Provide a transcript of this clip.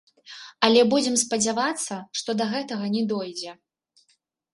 Але будзем спадзявацца, што да гэтага не дойдзе.